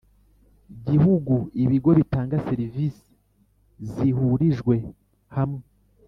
gihugu ibigo bitanga serivisi zihurijwe hamwe